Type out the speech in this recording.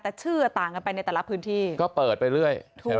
แต่ชื่อต่างกันไปในแต่ละพื้นที่ก็เปิดไปเรื่อยถูกไหม